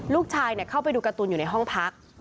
เข้าไปดูการ์ตูนอยู่ในห้องพัก